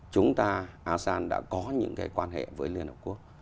chúng ta asean đã có những cái quan hệ với liên hợp quốc